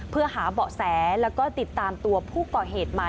เพื่อหาเบาะแสแล้วก็ติดตามตัวผู้ก่อเหตุมา